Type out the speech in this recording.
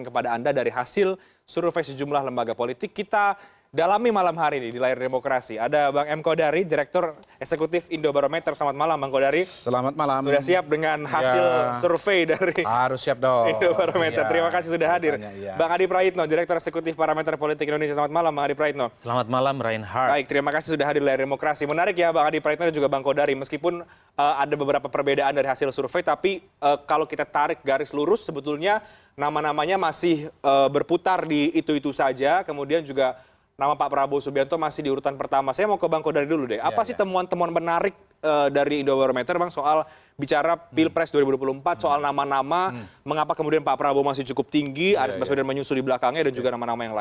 melawan dari golkar melawan dari gerindra dan melawan koalisi gabungan